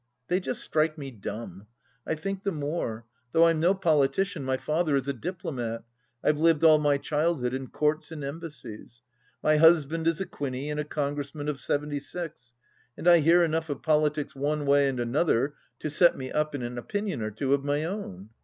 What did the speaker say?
They just strike me dumb. I think the more. Though I'm no politician, my father is a diplomat, I've lived all my childhood in Courts and Embassies. My husband is a Quinney, and a Congress man of '76, and I hear enough of politics one way and another to set me up in an opinion or two of my own.